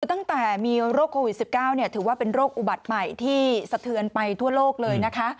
ตั้งแต่มีโรคโควิด๑๙ถือว่าเป็นโรคอุบัติใหม่ที่สะเทือนไปทั่วโลกเลยนะคะ